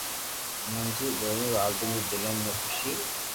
منهنجي ٻنهي والدين جي دلين ۾ خوشي